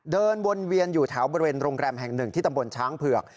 เดินวนเวียนอยู่แถวบริเวณโรงแรมแห่งหนึ่งที่ตำบลช้างเผือก